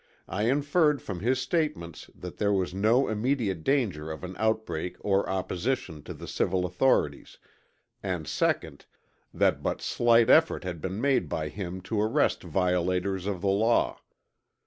I inferred from his statements that there was no immediate danger of an outbreak or opposition to the civil authorities; and, second, that but slight effort had been made by him to arrest violators of the law.